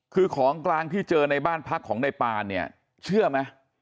คือของกลางที่เจอในบ้านพักของในปานเนี่ยเชื่อไหม